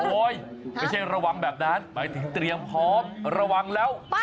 ไม่ใช่ระวังแบบนั้นหมายถึงเตรียมพร้อมระวังแล้ว